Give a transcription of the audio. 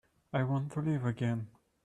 I want to live again.